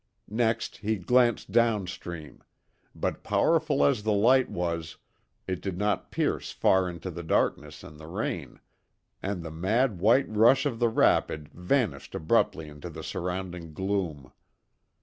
Next, he glanced down stream; but powerful as the light was, it did not pierce far into the darkness and the rain, and the mad white rush of the rapid vanished abruptly into the surrounding gloom.